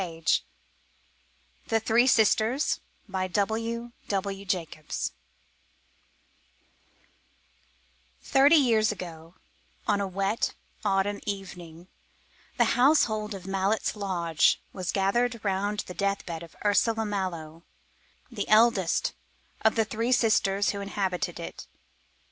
Jacobs THE THREE SISTERS Thirty years ago on a wet autumn evening the household of Mallett's Lodge was gathered round the death bed of Ursula Mallow, the eldest of the three sisters who inhabited it.